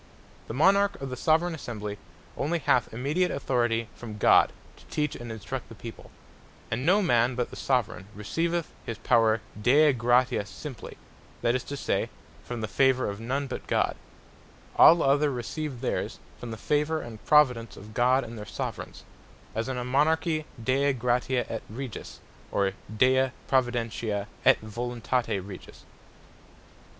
The Monarch, or the Soveraign Assembly only hath immediate Authority from God, to teach and instruct the people; and no man but the Soveraign, receiveth his power Dei Gratia simply; that is to say, from the favour of none but God: All other, receive theirs from the favour and providence of God, and their Soveraigns; as in a Monarchy Dei Gratia & Regis; or Dei Providentia & Voluntate Regis.